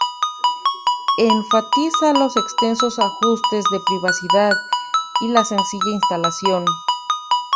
Enfatiza los extensos ajustes de privacidad, y la sencilla instalación.